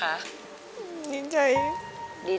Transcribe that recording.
ร้องได้